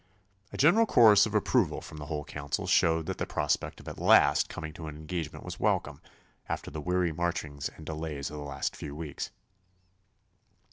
A general chorus of approval from the whole council showed that the prospect of at last coming to an engagement was welcome, after the weary marchings and delays of the last few weeks.